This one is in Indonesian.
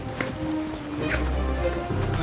kak kak kak kak